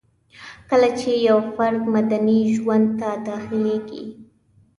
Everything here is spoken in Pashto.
کله چي يو فرد مدني ژوند ته داخليږي